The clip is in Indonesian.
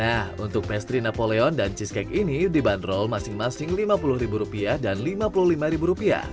nah untuk pastry napoleon dan cheesecake ini dibanderol masing masing rp lima puluh dan rp lima puluh lima